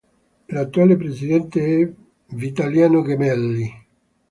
L'attuale presidente è Vitaliano Gemelli.